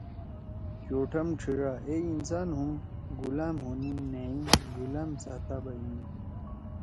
چوٹھم ڇھیِڙا: اے انسان ہُم گُلام ہونیں نأ ئی گُلأم ساتا بئنِین۔